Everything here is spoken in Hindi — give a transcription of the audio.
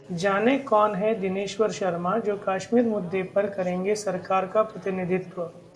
जानें- कौन हैं दिनेश्वर शर्मा, जो कश्मीर मुद्दे पर करेंगे सरकार का प्रतिनिधित्व